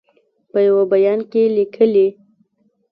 په یوه بیان کې لیکلي